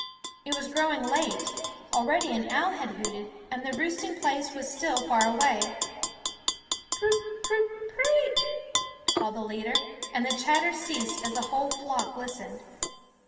It was growing late; already an owl had hooted, and the roost ing place was still far away. Prut, prut, pr r r r eee f called the leader, and the chatter ceased as the whole flock listened.